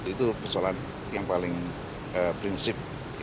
itu persoalan yang paling prinsip